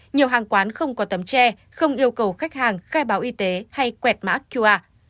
nhiều hàng quán không có tấm tre không yêu cầu khách hàng khai báo y tế hay quẹt mã qr